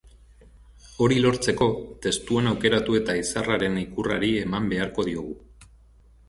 Hori lortzeko, testua aukeratu eta izarraren ikurrari eman beharko diogu.